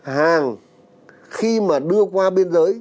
hàng khi mà đưa qua biên giới